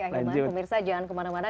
akhirnya pak mirsa jangan kemana mana